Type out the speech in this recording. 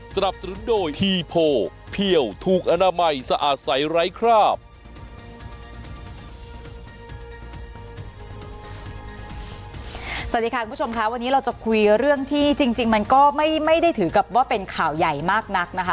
สวัสดีค่ะคุณผู้ชมค่ะวันนี้เราจะคุยเรื่องที่จริงมันก็ไม่ได้ถือกับว่าเป็นข่าวใหญ่มากนักนะคะ